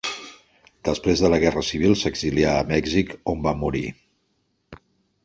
Després de la Guerra Civil s'exilià a Mèxic, on va morir.